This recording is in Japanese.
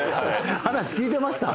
話聞いてました